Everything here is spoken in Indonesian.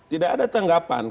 tidak ada tanggapan